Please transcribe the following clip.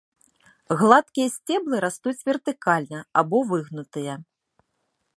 Гладкія сцеблы растуць вертыкальна або выгнутыя.